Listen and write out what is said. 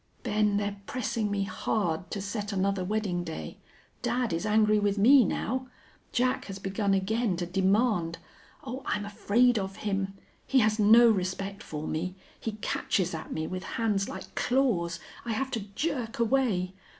"Ben, they're pressing me hard to set another wedding day. Dad is angry with me now. Jack has begun again to demand. Oh, I'm afraid of him! He has no respect for me. He catches at me with hands like claws. I have to jerk away....